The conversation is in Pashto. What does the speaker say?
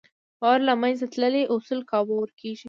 باور له منځه تللی، اصول کابو ورکېږي.